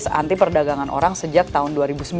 saya juga memiliki perdagangan orang sejak tahun dua ribu sembilan